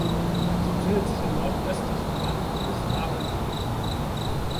Es befindet sich am nordöstlichen Rand des Mare Crisium.